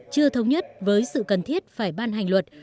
chưa thống nhất với sự cần thiết phải ban hành luật